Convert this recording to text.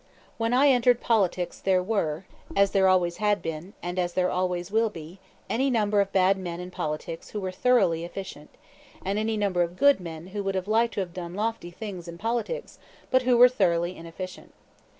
When I entered politics there were, as there always had been and as there always will be any number of bad men in politics who were thoroughly efficient, and any number of good men who would like to have done lofty things in politics but who were thoroughly inefficient.